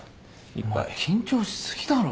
お前緊張しすぎだろ。